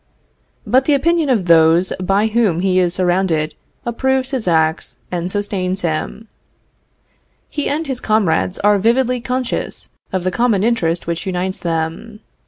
But the opinion of those by whom he is surrounded approves his acts and sustains him. He and his comrades are vividly conscious of the common interest which unites them.